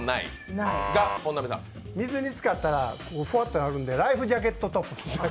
水につかったらふわっとなるんでライフジャケットトップス。